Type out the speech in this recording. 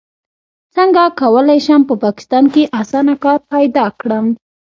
څنګه کولی شم په پاکستان کې اسانه کار پیدا کړم